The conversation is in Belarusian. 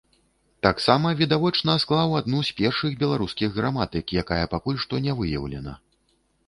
Таксама, відавочна, склаў адну з першых беларускіх граматык, якая пакуль што не выяўлена.